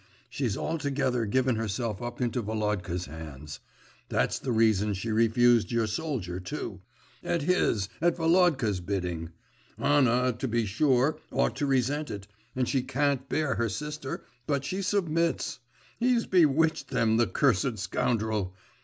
She's altogether given herself up into Volodka's hands. That's the reason she refused your soldier, too. At his, at Volodka's bidding. Anna, to be sure, ought to resent it, and she can't bear her sister, but she submits! He's bewitched them, the cursed scoundrel!